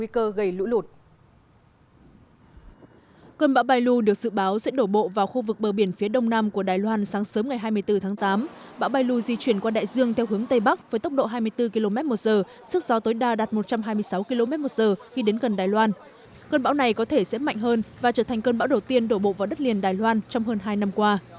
cơn bão này có thể sẽ mạnh hơn và trở thành cơn bão đầu tiên đổ bộ vào đất liền đài loan trong hơn hai năm qua